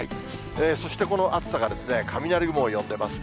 そしてこの暑さが雷雲を呼んでいます。